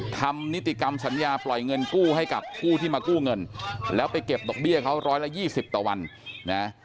นิติกรรมสัญญาปล่อยเงินกู้ให้กับผู้ที่มากู้เงินแล้วไปเก็บดอกเบี้ยเขาร้อยละยี่สิบต่อวันนะ